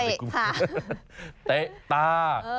เตะตา